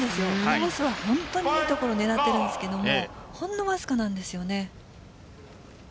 コースは本当にいいところ狙っているんですがほんのわずかなんです。